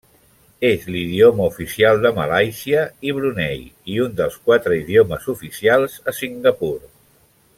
És l'idioma oficial de Malàisia i Brunei, i un dels quatre idiomes oficials a Singapur.